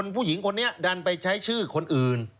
ผู้หญิงคนนี้ดันไปใช้ชื่อคนอื่น